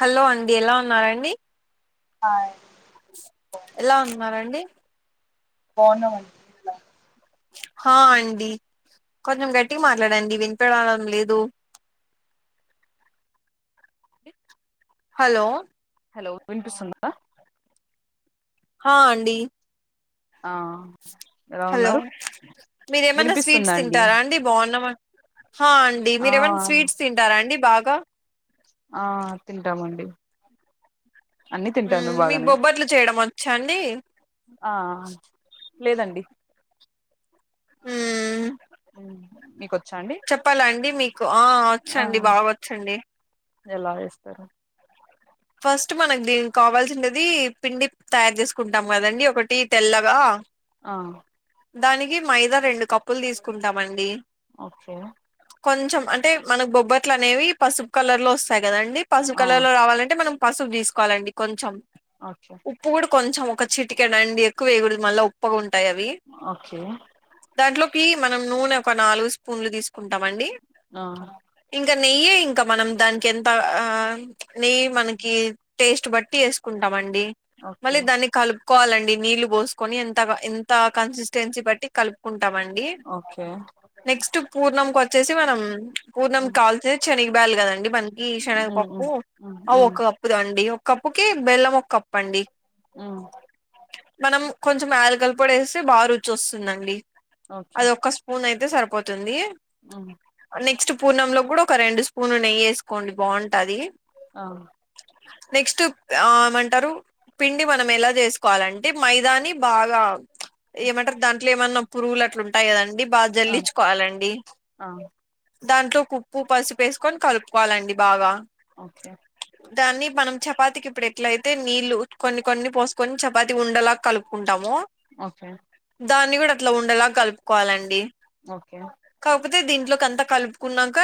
Hello అండి ఎలా ఉన్నారండి హాయ్ ఎలా ఉన్నారండి పోను హ అండి కొంచెం గట్టిగా మాట్లాడండి వినపడడం లేదు హలో హలో వినిపిస్తుంద హా అండి ఆ ఎలా హలో ఉన్నారు మీరేమైన్నా స్వీట్స్ వినిపిస్తుందండి తింటారా అండి బాగున్నా హా అండి ఆ మీరేమన్న స్వీట్స్ తింటారా అండి బాగా ఆ తింటామండి అన్ని తింటాను మ్మ్ మీకు బాగానే బొబ్బట్లు చేయడం వచ్చా అండి ఆ లేదండి మ్మ్ మ్మ్ మీకు వచ్చ అండి చెప్పాలా అండి మీకు ఆ ఆ వచ్చండి బాగా వచ్చండి ఎలా వేస్తారు ఫస్ట్ మనకు దీనికి కావాల్సినది పిండి తయారు చేసుకుంటాం కదండి ఒకటి తెల్లగా ఆ దానికి మైదా రెండు కప్పులు తీసుకుంటామండి ఓకే కొంచెం అంటే మనకు బొబ్బట్లు అనేవి పసుపు కలర్ లో వస్తాయి కదాండి పసుపు ఆ కలర్ లో రావాలంటే మనం పసుపు తీసుకోవాలండి కొంచెం ఓకే ఉప్పు కూడా కొంచెం ఒక చిటికెడండి ఎక్కువ వేయకూడదు మళ్ళా ఉప్పుగా ఉంటాయి అవి ఓకే దాంట్లోకి మనం నూనె ఒక నాలుగు స్పూన్లు తీసుకుంటాం అండి ఆ ఇంకా నెయ్యే ఇంకా మనం దానికి ఎంత ఆ నీ మనకి టేస్ట్ బట్టి వేసుకుంటాం అండి ఓకే మళ్ళీ దాన్ని కలుప్ కోవాలండి నీళ్లు పోసుకొని ఎంత ఎంత కన్సిస్ తెంచి బట్టి కలుపుకుంటామండి ఓకే నెక్స్ట్ పూర్ణం కి వచ్చేసి మనం పూర్ణం మ్మ్ కాల్చే చెనిగిబ్యాళ్ళు కదండి మనకి శనగ మ్మ్ పప్పు మ్మ్ అ మ్మ్ ఒక కప్పు అండి ఒక కప్పు కి బెల్లం ఒక కప్పు అండి మ్మ్ మనం కొంచెం యాలకల పొడి ఏస్తే బాగా రుచి వస్తుందండి ఓకే అది ఒక్క స్పూన్ అయితే సరిపోతుంది మ్మ్ నెక్స్ట్ పూర్ణంలో కూడా ఒక రెండు స్పూన్లు నెయ్యి వేసుకోండి బాగుంటది ఆ నెక్స్ట్ ఆ ఏమంటారు పిండి మనం ఎలా చేసుకోవాలంటే మైదాని బాగా ఏమంటారు దాంట్లో ఏమన్నా పురుగులు అట్లు ఉంటాయి కదండి బా ఆ జల్లిచ్చుకోవాలండి ఆ దాంట్లోకి ఉప్పు పసుపు వేసుకొని కలుపుకోవాలండి బాగా ఓకే దాన్ని మనం చపాతికి ఇప్పుడు ఎట్ల అయితే నీళ్లు కొన్ని కొన్ని పోసుకొని చపాతి ఉండలా కలుపు కుంటామో ఓకే దాన్ని కూడా అట్లా ఉండేలా కలుపుకోవాలండి ఓకే కాకపోతే దీంట్లోకి అంతా కలుపుకున్నాక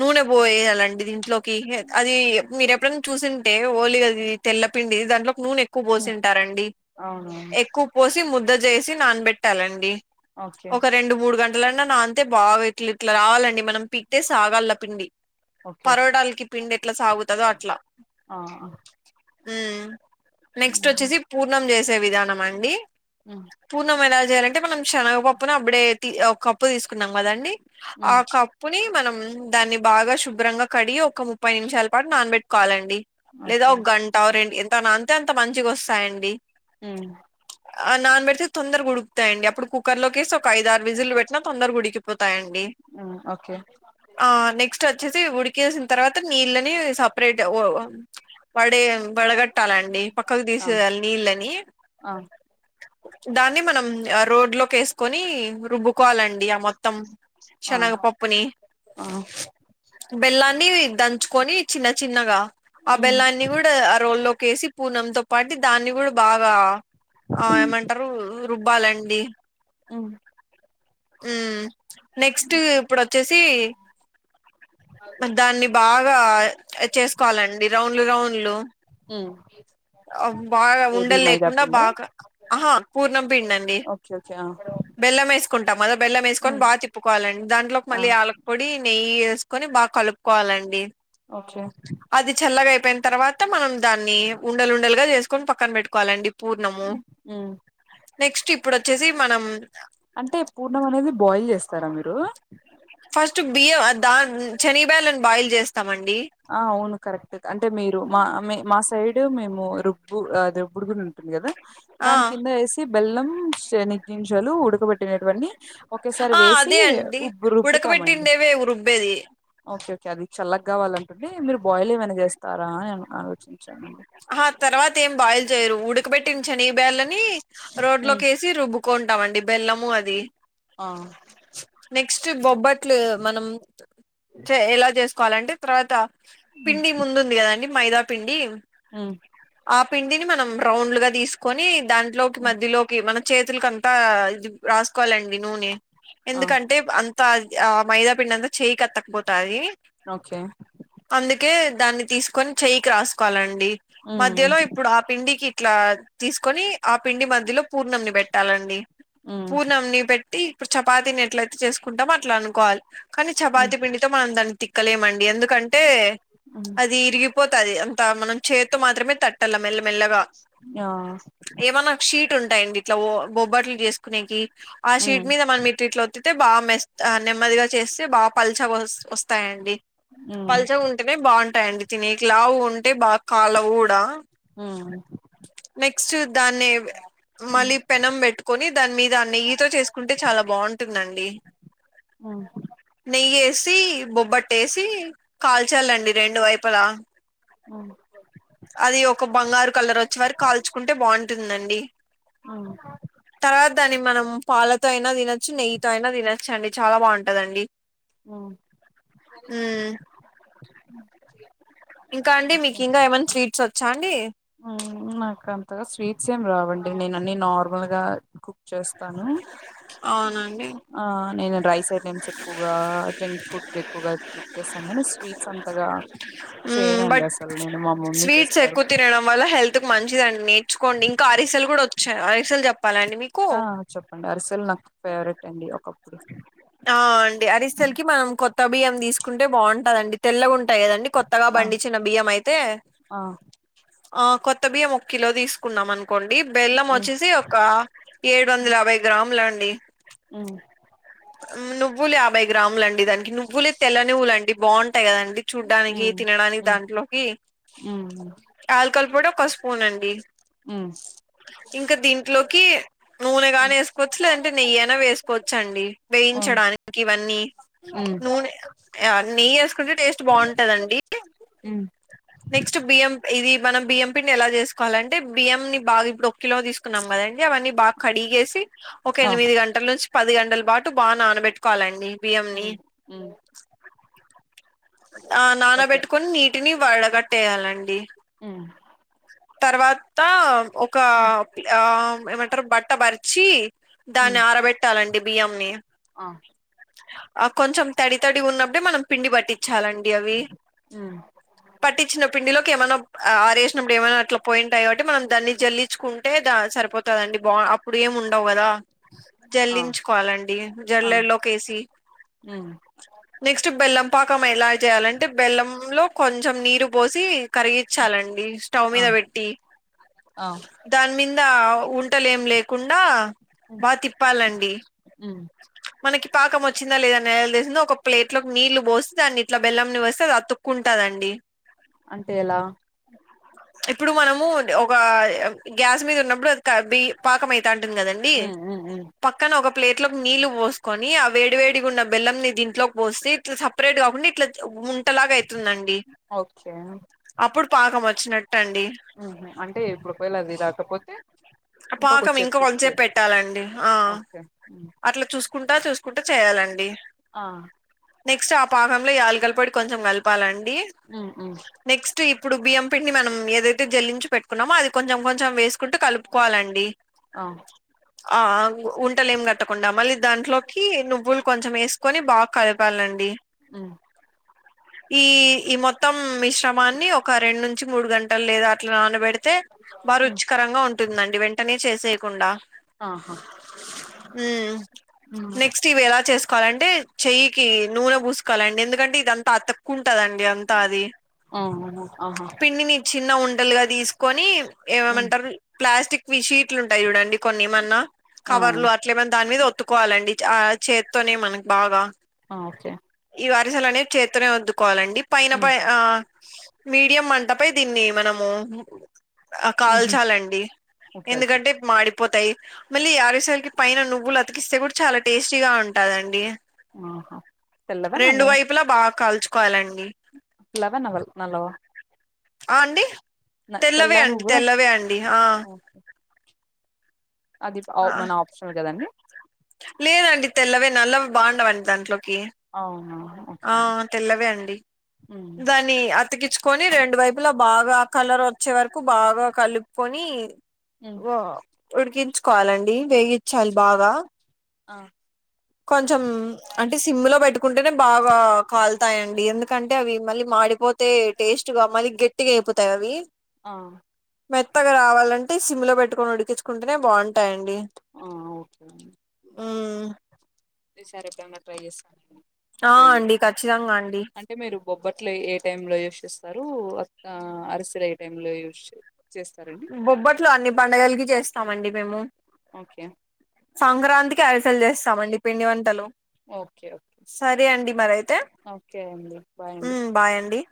నూనె పోయాలండి దీంట్లో కి అది మీరు ఎప్పుడ చూసింటే ఓలీగది తెల్లపిండి దాంట్లో నూనె ఎక్ క్కువ మ్మ్ పోసింటారండి అవును ఎక్కు పోసి ముద్ద చేసి నానబెట్టాలండి ఓకే ఒక రెండు మూడు గం ఇట్లన్నా నాంతే బాగా ఇట్లా ఇట్లా రావాలండి మనం పిక్తే సాగల్ల పిండి ఓకే ఓకే పరోటాలకి పిండి ఎట్లా సాగుతదో అట్లా ఆ ఆ మ్మ్ నెక్స్ట్ వచ్చేసి పూర్ణం చేసే విధానం అండి మ్మ్ పూర్ణము ఎలా చేయాలంటే మనం శనగపప్పును అప్పుడే ఒక కప్పు తీసుకున్నాం కదాండి ఆ హ్మ్ కప్పుని మనం దాన్ని బాగా శుభ్రంగా కడిగి ఒక ముప్పై నిమిషాల పాటు నానబెట్ కాలండి లేదా ఓకే ఒక గంట రెం ఎంత నాంతే అంత మంచిగా వస్తాయండి హ్మ్ ఆ నాన్ పెడితే తొందర ఉడుకుతాయండి అప్పు కుక్కర్ లోకేసి ఒక ఐదారు విజిల్లు పెట్నా తొందగా ఉడికి పోతాయండి హ్మ్ ఓకే ఆ నెక్స్ట్ వచ్చేసి ఉడికేసిన తర్వాత నీళ్ళ నీ సపరేట్ ఓ ఓ పడే వడగట్టాలండి పక్కకు ఆ తీసేయాలి నీళ్ళని ఆ దాన్ని మనం రోడ్ లోకి వేసుకొని రుబ్బుకోవాలండి మొత్తం ఆ శనగ పప్పుని ఆ బెల్లాన్ని దంచుకొని చిన్న చిన్నగా ఆ హ్మ్ బెల్లాన్ని కూడా ఆ రోల్లో కేసి పూర్ణంతో పాటి దాన్ని కూడా బాగా ఆ హ్మ్ ఏమంటారు రుబ్బాలండి నెక్స్ట్ ఇప్పుడొచ్చేసి దాన్ని బాగా చేసుకోవాలండి రౌండ్లు రౌండ్లు హ్మ్ ఓ బాగా ఏది ఉండలు మైదా లేకుండా పిండా బా ఆహా పూర్ణ పిండండి ఓకే ఓకే ఆ బెల్లం వేసుకుంటాం కదా బెల్లం వేసుకొని హ్మ్ బాగ తిప్పుకోవాలండి దాంట్లో ఆ మళ్ళీ యాలక్ పొడి నెయ్యి వేసుకొని బాగా కలుపుకోవాలండి ఓకే అది చల్లగయిపోయిన తర్వాత మనం దాన్ని ఉండలుండలుగా చేసుకొని పక్కన పెట్టుకోవాలండి పూ నము హ్మ్ నెక్స్ట్ ఇప్పుడు వచ్చేసి మనం అంటే పూర్నం అనేది బాయిల్ చేస్తారా మీరు ఫస్ట్ బియ్యం దా శనిగ బ్యాళ్లను బాయిల్ చేస్తామండి ఆ అవును కరెక్ట్ అంటే మీరు మా మా సైడ్ మేము రుబ్బు రుబ్బుడు గు ఉంటుంది కదా ఆ దాని కింద వేసి బెల్లం నిగ్గింజలు ఉడకబెట్టినటువీ ఒకేసారి ఆ వేసి అదే అండి ఉబ్బు రుబ్బుతామండి ఉడకబెట్టిండేవే రుబ్బేది ఓకే ఓకే అది చల్లగా కావాలంటండి మీరు బాయిల్ ఏమైనా చేస్తారా అని ఆలోచించానండి ఆ తర్వాత ఏం బాయిల్ చేయరు ఉడకబెట్టి శని బేళని రోట్ ఉమ్ లోకి చి రుబ్బుకుంటాండి బెల్లము అది ఆ నెక్స్ట్ బొబ్బట్లు మనం ఎలా చేసుకోవాలంటే తర్వాత ఉమ్ పిండి ముందుంది కదండి మైదా పిండి ఊ ఆ పిండిని మనం రౌండ్ గా తీసుకొని దాంట్లోకి ఉమ్, మధ్యలోకి మన చేతులు కనిపి ప ఇది రాసుకోవాలండి నూనె ఆ ఎందుకంటే అంత ఆ మైదా పిండి అంతా చేయిి కత్తకపోతది ఓకే అందుకే దాన్ని తీసుకొని చెయ్యికి రాసుకోలండి ఉమ్ మధ్యలో ఇప్పుడు ఆ పిండికి ఇట్లా తీసుకొని ఆ పిండి మధ్యలో పూర్ణమిని పెట్టాలండి ఉమ్ పూర్ణమిని పెట్టి ఇప్పుడు చపాతిని ఎట్లయితే చేసుకుంటమో అట్లా అనుకోవాలి కానీ ఉమ్ చపాతి పిండితో మనం దాన్ని తిక్కలేమండి ఎందు కంటే ఉమ్ అది ఇరిగిపోతుది అంత మనం చేతో మాత్రమే తట్టల మెల్లమెల్లగా ఆ ఏమైన్నా షీట్ ఉంటాయండి ఇట్లా బొబ్బట్లు చేసుకునేకి ఆ షీట్ ఉమ్ మీద మన మీట్ ఇట్లా ఒత్తితే బాగా మె నెమ్మదిగా చేస్తే బాగా పల్చ వస్తాయండి ఉమ్ పల్చ గా ఉంటేనే బాగుంటాయిండి తినేవి లావు ఉంటే బాగా కలవూ గుడా ఉ నెక్స్ట్ దాన్ని మళ్ళీ పెనం పెట్టుకొని దాని మీద అ నెయ్యితో చేసుకుంటే చాలా బాగుంటుందండి ఆ నెయ్యేసి బొబ్బట్టేసి కాల్చాలండి రెండు వైపులా ఆ అది ఒక బంగారు కలర్ వచ్చే వరకి కాల్చుకుంటే బాగుంటుందండి అ తర్వాత దాన్ని మనం పాలతో అయినా తినొచ్చు నెయ్యితో అయినా తినొచ్చు అండి చాలా బాగుంటదండి ఉమ్ మ్మ్ ఇంకా అండి ఓకే మీకు ఇంకా ఏమైన్నా స్వీట్స్ వచ్చా అండి ఉమ్ నాకు అంతగా స్వీట్స్ ఏం రావండి నేను అన్ని నార్మల్ గా కు చేస్తాను అవునండీ ఆ నేను రైస్ ఐటెమ్స్ ఎక్కువగా జంక్ ఫుడ్ ఎక్కువగా యూస్ చేస్తాను కానీ నేను స్వీట్స్ అంతగా మ్మ్ చేయనండి బట్ అసలు నేను మా మమ్మీ చేసి పెడ మళ్ళ హెల్త్ కి మంచిదండి నేర్చుకోండి ఇంకా అరిసెలు కూడా వచ్చాయి అరిసెలు చెప్పాలండి మీకు డ్ అరిసెల్ నాకు ఫేవరెట్ అండి ఒకప్పుడు ఆ అండి అరిసెలు హ్మ్. కి మనం కొత్త బియ్యం తీసుకుంటే బాగుంటదండి తెల్లగాంటాయి కదండి కొత్తగా ఆ బండించిన బియ్యం అయితే ఆ ఆ కొత్త బియ్యం ఒక కిలో తీసుకున్నాం అనుకోండి బెల్లం ఉమ్ వచ్చేసి ఒక రడు వందల యాభై గ్రాములు అండి ఉమ్. నువ్వులు యాభై గ్రాములండి దానికి నువ్వులే తెల్ల నువ్వులు అండి బాగుంటాయి కదండి. చూడ్డానికి ఉమ్ తినడానికి ఉమ్ దాంట్లోకి. ఉమ్. ఆలుకల్ కూడా ఒక స్పూన్ అండి. ఉమ్. ఇంకా దీంట్లోకి ఉమ్ నూనెగాని వేసుకోవచ్చు లేదంటే నెయ్యి అయినా వేసుకోవచ్చండి. వేయించడానికి ఇవన్నీ. ఉమ్ నూనె ఆహ్ నెయ్యి వేసుకుంటే టేస్ట్ బాగుంటదండి. ఉమ్ నెక్స్ట్ బియ్యం ఇది మనం బియ్యంపిండి ఎలా చేసుకోవాలంటే బియ్యం ని బాగా ఇప్పుడు. కిలో తీసుకున్నాం కదండి అవ్వని బాగా కడిగేసి ఒక ఆ ఎనిమిది గ. గంటల నుంచి పది గంటల పాటు బాగా నానబెట్టుకోవాలండి బియ్యంని. ఉమ్ ఉమ్ ఆహ్ ఓకే నానబెట్టుకొని నీటిని వడ కట్టేయాలండి. ఉమ్. తర్వాత ఒక ఉమ్ ఆహ్ ఏమంటారు బట్ట పరిచి. దాన్ని ఉమ్ ఆరబెట్టాలండి బియ్యంని. ఆ ఆహ్ కొంచెం తడి తడి ఉన్నప్పుడే మనం పిండి పట్టించాలండి అవి. ఉమ్ పట్టించిన పిండిలోకి ఏమనా ఆరేసినప్పుడు ఏమైనా అట్లా ఏమైనా పోయి ఉంటాయి కాబట్టి మనం దాన్ని జల్లించుకు. అంటే దా సరిపోతాదండి బా అప్పుడు ఏముండవు కదా. ఆ జల్లించుకోవాలండి ఆ జల్లెడ లోకి వేసి. ఉమ్. నెక్స్ట్ బెల్లం పాకం ఎలా చేయాలంటే బెల్లం లో కొంచెం నీరు పోసి కరిగించాలండి. స్టౌవ్ మీద పెట్టి. ఆహ్. దాని మీద ఉండలేం లేకుండా బాగా తిప్పాలండి. ఉమ్ మనకి పాకం వచ్చిందా లేదా నేసిందా ఒక ప్లేట్ లో నీళ్లు పోసి దాన్ని ఇట్ల బెల్ంని వస్తే అది అతుక్. కుంటాందండి. అంటే ఎలా ఇప్పుడు మనము ఒక గ్యాస్ మీద ఉన్నప్పుడు అది కా బి పాకం అయితా ఉంటుంది కదండి. ఉమ్ ఉమ్ ఉమ్ పక్కన ఒక ప్లేట్ లోకి నీళ్లు పోసుకొని ఆ వేడి వేడిగా ఉన్న బెల్లం నీ దీంట్లో పోసీ. ఇట్లా సపరేట్ కాకుండా ఇట్లా ఉం. ఉండ లాగ అయితుందండి ఓకే అప్పుడు పాకం వచ్చినట్టు అండి. ఆహ్ అంటే ఇప్పుడు ఒకవేళ అది రాకపోతే. పాకం కొద్దిసేపు ఇంకా కుక్ కొంతసేపు చేయి పెట్టాలండి ఆహ్ ఓకే హ్మ్. అట్లా చూసు కుంటా చూసుకుంటూ చేయాలండి. ఆహ్. నెక్స్ట్ ఆ పాకంలో యాలకుల పొడి కొంచెం కలపాలండి. ఉమ్ ఉమ్ నెక్స్ట్ ఇప్పుడు బియ్యం పిండి మనం ఏదైతే జల్లించి పెట్టుకున్నామో అది కొంచెం కొంచెం వేసుకుంటూ కలుపుకొనీ కోవాలండి. ఆహ్. ఆహ్ ఉండలేం కట్టకుండా మళ్ళీ దాంట్లోకి నువ్వులు కొంచెం వేస్ కొని బాగా కలపాలండి. ఉమ్. ఈ ఈ మొత్తం మిశ్రమాన్ని ఒక రెండు నుంచి మూడు గంటలు లేదా అట్లా నానబెడితే అయితే బా ఉమ్ రుచికరంగా ఉంటుందండి వెంటనే చేసేయకుండా ఆహా ఉమ్ ఉమ్ నెక్స్ట్ ఇవి ఎలా చేసుకోవాలింటే చెయ్యికి నూనె పూసుకోవాలండి ఎందుకంటే ఇదంతా అతక్ ఉంటదండి అంతా అది ఆవును ఆహా పిండిని చిన్న ఉండలుగా తీసుకొని ఉమ్ ఏమేమంటారు ప్లాస్టిక్ విషీట్లు ఉంటాయి చూడండి కొన్ని ఏమన్నా ఆ కవర్లు అట్లే మని దాని మీద ఒత్తుకోవాలండి ఆ చేత్తోనే మనకు బాగా ఆ ఓకే ఈ అరిసెలు అనేవి చేతనే వత్తుకోవాలండి పైన ఉమ్ పైన ఆ మీడియం మంటపై దీన్ని మనము ఉహు కాల్చాలండి ఓకే ఓకే ఎందుకంటే మాడిపోతాయి మళ్ళీల ఆరిసలకి పైన నువ్వులు అ సిమిడి చాలా టేస్టీగా ఉంటాదండి ఆహా తెల్లవ నల్లవ బా కాల్చుకోవాలండి తెల్లవా నల్లవా ఆ అండి న- తెల్ల తెల్లవే అండి నువ్వుల తెల్లవే అండి ఆ ఓకే అది ఆ మన ఆప్షనల్ కదండి లేదండి తెల్లవే నల్లవి బావుండవండి దాంట్లోకి అవునా ఓకే ఆ తెల్లవే అండి ఉమ్ దాని దాన్ని అతికిచ్చుకొని రెండు వైపులా బాగా ఆ కలర్ వచ్చే వరకు బాగా కలుపుకొని మ్ ఉడికించుకోవాలండి వేగించాలి బాగా ఆ కొంచెం అంటే సిమ్ లో పెట్టుకుంటేనే బాగా కాల్తాయండి ఎందుకంటే అవి మళ్ళీ మాడిపోతాయ్ తే టేస్ట్ గా మరి గట్టిగా అయిపోతాయ అవి ఆ మెత్తగా రావాలంటే సిమ్ లో పెట్టుకొని ఉడికించుకుంటేనే బావుంటాయండి మ్ ఓకేండి మ్ సరే ఎపుడైన ట్రై చేస్తానేను ఆ ఇవి రెండు అండి ఖచ్చితంగా అండి అంటే మీరు బొబ్బట్లు ఏ టైమ్ లో యూజ్ చేస్తారు అరిసెలు ఏ టై లో యూస్ చేస్తారు బొబ్బట్లు అన్ని పండుగలకి చేస్తామండి మేము ఓకే సంక్రాంతికి అరిసెలు చేస్తామండి పిండి వంటలు ఓకే ఓకే సరే అండి మరైతే ఓకే అండి బాయ్ అండి ఉమ్ బాయ్ అండి